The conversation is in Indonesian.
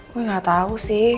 gue gak tau sih